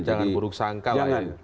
jangan buruk sangka lah ya